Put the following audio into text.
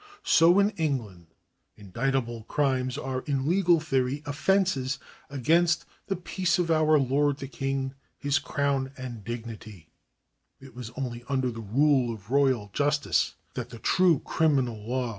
So in England indict able crimes are in legal theory offences against " the peace of our Lord the King, his crown and dignity," and it was only under the rule of royal justice that true criminal law was ^ Numbers, xxxv.